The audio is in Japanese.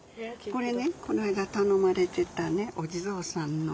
この間頼まれてたねお地蔵さんの。